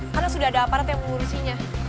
karena sudah ada aparat yang mengurusinya